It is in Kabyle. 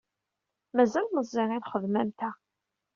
Mazal-t meẓẓi i lxedma am ta.